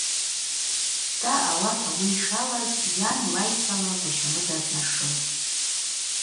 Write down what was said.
Щта ауат ауи йшалаз йан лайцала Гващамыда днашылтӏ.